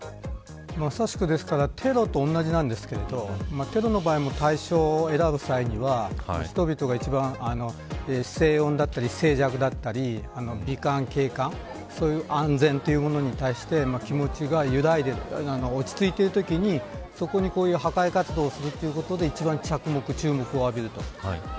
まさしくテロと同じなんですけどテロの場合も対象を選ぶ際人々が一番静音だったり静寂だったり美観、景観そういう安全というものに対して気持ちが揺らいでいる落ち着いているところに破壊活動することで注目されます。